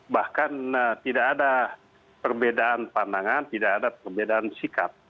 bahkan tidak ada perbedaan pandangan tidak ada perbedaan sikap